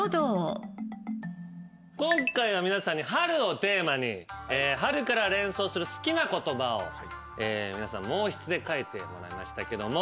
今回は皆さんに「春」をテーマに「春」から連想する好きな言葉を皆さん毛筆で書いてもらいましたけども。